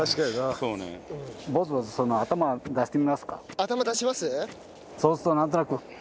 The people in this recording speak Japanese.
そうするとなんとなく。